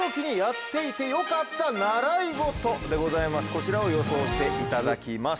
こちらを予想していただきます。